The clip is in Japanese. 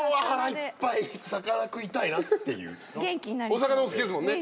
お魚お好きですもんね？